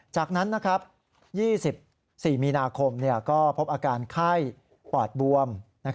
จากนั้น๒๔มีนาคมก็พบอาการไข้ปอดบวม